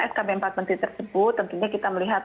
skb empat menteri tersebut tentunya kita melihat